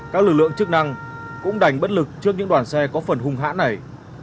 các lực lượng chức năng cũng đành bất lực trước những đoàn xe có phần hung hã này